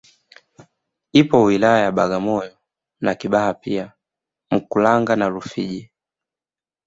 Ipo wilaya ya Bagamoyo na Kibaha pia Mkuranga na Rufiji